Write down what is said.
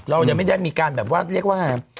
เรายังไม่ได้มีการแบบว่าเรียกว่า